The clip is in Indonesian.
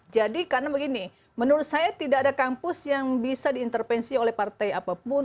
jadi karena begini menurut saya tidak ada kampus yang bisa diintervensi oleh partai apapun